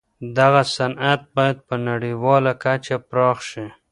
دغه صنعت بايد په نړيواله کچه پراخ شي.